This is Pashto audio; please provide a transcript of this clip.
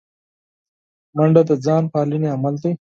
منډه د ځان پالنې عمل دی